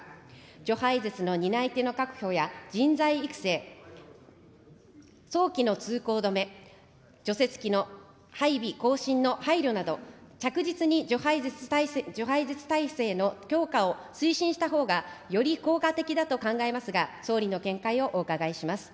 除排雪の担い手の確保や人材育成、早期の通行止め、除雪機の配備更新の配慮など、着実に除排雪体制の強化を推進したほうがより効果的だと考えますが、総理の見解をお伺いします。